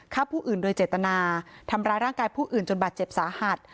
ฆ่าผู้อื่นโดยเจตนาทำร้ายร่างกายผู้อื่นจนบาดเจ็บสาหัส